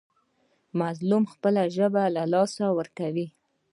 مظلوم خپله ژبه له لاسه ورکوي.